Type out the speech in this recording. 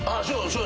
そう。